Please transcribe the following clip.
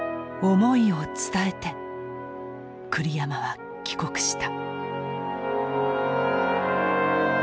思いを伝えて栗山は帰国した。